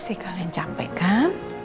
pasti kalian capek kan